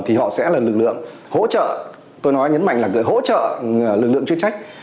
thì họ sẽ là lực lượng hỗ trợ tôi nói nhấn mạnh là hỗ trợ lực lượng chuyên trách